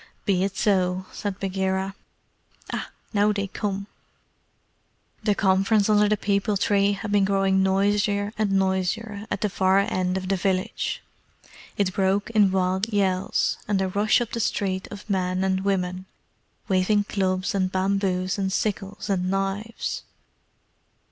"Be it so," said Bagheera. "Ah, now they come!" The conference under the peepul tree had been growing noisier and noisier, at the far end of the village. It broke in wild yells, and a rush up the street of men and women, waving clubs and bamboos and sickles and knives.